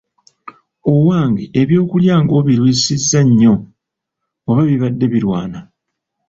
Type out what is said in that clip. Owange eby’okulya nga obirwisizza nnyo oba bibadde birwana?